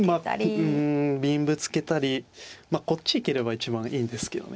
まあ銀ぶつけたりまあこっち行ければ一番いいんですけどね。